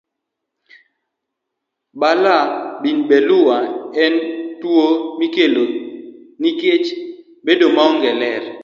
Balaa bin beleua en tuwo mikelo nikech bedo maonge ler.